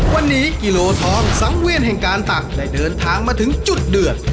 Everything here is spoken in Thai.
วันนี้กิโลทองสังเวียนแห่งการตักได้เดินทางมาถึงจุดเดือด